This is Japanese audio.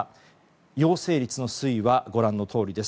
陽性率の推移はご覧のとおりです。